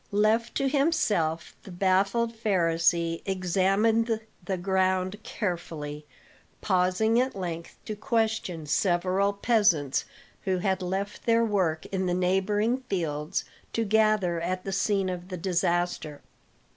Left to himself the baffled Pharisee examined the ground carefully, pausing at length to question several peasants who had left their work in the neighboring fields to gather at the scene of the disaster.